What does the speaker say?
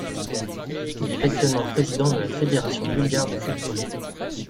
Il est actuellement président de la Fédération bulgare de football.